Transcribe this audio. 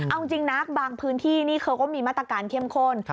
เอาจริงนะบางพื้นที่นี่เขาก็มีมาตรการเข้มข้น